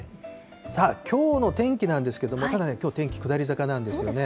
さあ、きょうの天気なんですけれども、ただね、きょう天気下り坂なんですよね。